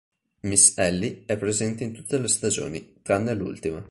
Miss Ellie è presente in tutte le stagioni, tranne l'ultima.